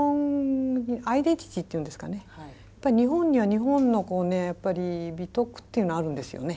やっぱり日本には日本の美徳っていうのあるんですよね。